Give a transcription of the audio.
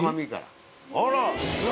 あら。